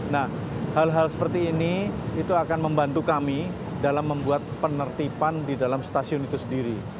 nah hal hal seperti ini itu akan membantu kami dalam membuat penertiban di dalam stasiun itu sendiri